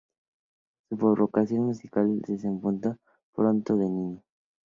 Su vocación musical despuntó pronto, de niño.